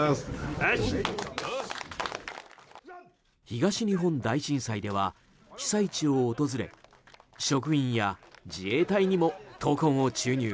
東日本大震災では被災地を訪れ職員や自衛隊にも闘魂を注入。